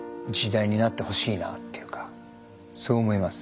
そう思います。